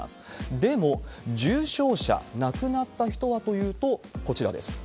でも、重症者、亡くなった人はというとこちらです。